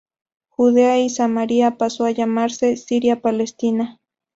Judea y Samaria pasó a llamarse Siria Palestina.